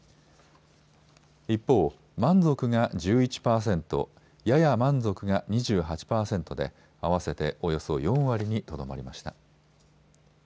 一方、満足が１１％、やや満足が２８％で合わせておよそ４割にとどまりました。